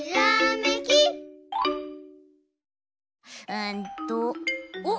うんとおっ！